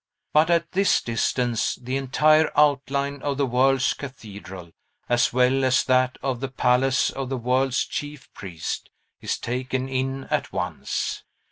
But at this distance the entire outline of the world's cathedral, as well as that of the palace of the world's chief priest, is taken in at once.